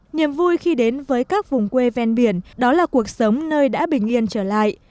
niềm vui khi đến với các vùng quê ven biển đó là cuộc sống nơi đã bình yên trở lại